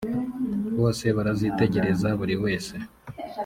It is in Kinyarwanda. bose barazitegereza buri wese